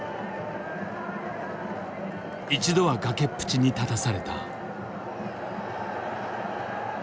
一度は崖っぷちに立たされた。